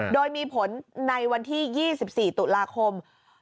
โดยมีผลในวันที่๒๔ตุลาคม